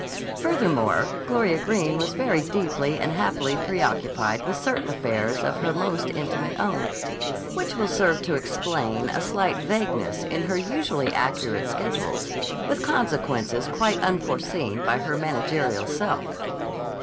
Furthermore, Gloria Greene was very deeply and happily preoccupied with certain affairs of her most intimate own, which will serve to explain a slight vagueness in her usually accurate schedules, with consequences quite unforeseen by her managerial self.